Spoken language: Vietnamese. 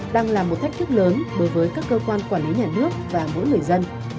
đang là một thách thức lớn đối với các cơ quan quản lý nhà nước và mỗi người dân